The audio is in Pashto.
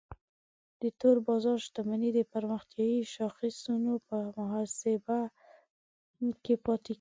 د تور بازار شتمنۍ د پرمختیایي شاخصونو په محاسبه کې پاتې کیږي.